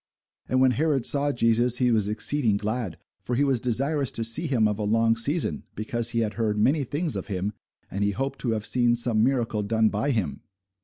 And when Herod saw Jesus, he was exceeding glad: for he was desirous to see him of a long season, because he had heard many things of him; and he hoped to have seen some miracle done by him.